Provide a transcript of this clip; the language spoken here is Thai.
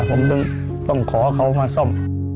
ผมต้องขอเขามาซ่อม